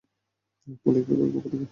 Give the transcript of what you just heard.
Police বিভাগের পক্ষ থেকে।